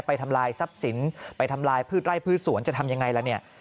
ทำลายทรัพย์สินไปทำลายพืชไร่พืชสวนจะทำยังไงล่ะเนี่ย